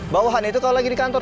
bawahan itu kalau lagi di kantor